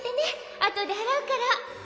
あとであらうから。